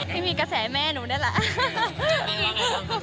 ที่มีกระแสแม่หนูนี่แหละ